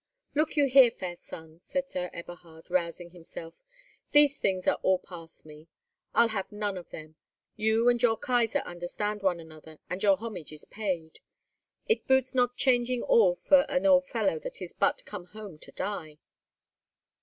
"Look you here, fair son," said Sir Eberhard, rousing himself, "these things are all past me. I'll have none of them. You and your Kaisar understand one another, and your homage is paid. It boots not changing all for an old fellow that is but come home to die."